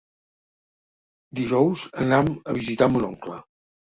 Dijous anam a visitar mon oncle.